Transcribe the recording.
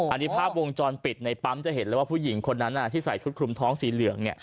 อันนี้ภาพวงจรปิดในปั๊มจะเห็นเลยว่าผู้หญิงคนนั้นที่ใส่ชุดคลุมท้องสีเหลือง